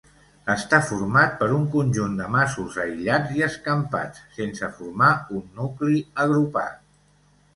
Està format per un conjunt de masos aïllats i escampats, sense formar un nucli agrupat.